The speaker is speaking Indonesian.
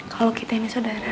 kalau kita ini saudara